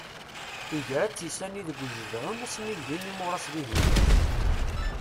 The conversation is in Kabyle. Igra ad tt-issani deg ujedɛun asmi ggin imuras dihin.